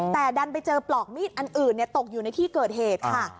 แต่ดันไปเจอปลอกมีดอันอื่นตกอยู่ในที่เกิดเหตุค่ะ